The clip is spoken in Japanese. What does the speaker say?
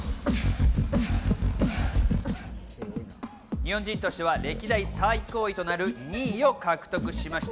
日本人としては歴代最高位となる、２位を獲得しました。